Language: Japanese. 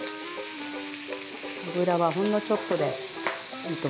油はほんのちょっとでいいと思います。